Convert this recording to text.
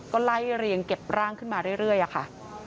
ก็ไล่เรียงเก็บร่างขึ้นมาเรื่อยค่ะ